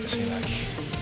jangan lari kesini lagi